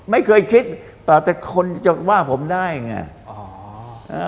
ไม่เคยคิดแต่คนจะว่าผมได้ไง